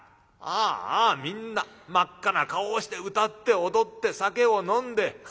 ああみんな真っ赤な顔をして歌って踊って酒を飲んで」。